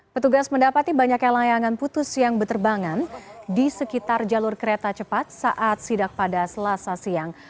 petugas mendapati banyaknya layangan putus yang berterbangan di sekitar jalur kereta cepat saat sidak pada selasa siang